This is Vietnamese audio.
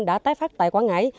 đã tái phát tại quảng ngãi